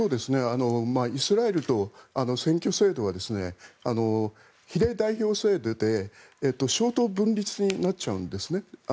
イスラエルの選挙制度は比例代表制で小党分裂になっちゃうんですね。